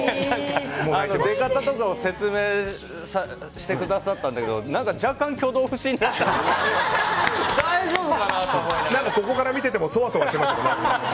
出方とかを説明してくださったんだけど何か若干、挙動不審だったのでここから見ててもそわそわしてて。